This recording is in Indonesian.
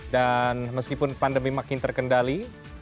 meskipun pandemi makin terkendali